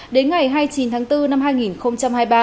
đến ngày hai mươi chín tháng bốn năm hai nghìn hai mươi ba